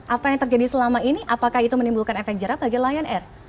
apa yang terjadi selama ini apakah itu menimbulkan efek jerah bagi lion air